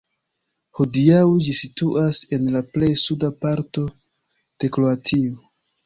Hodiaŭ ĝi situas en la plej suda parto de Kroatio.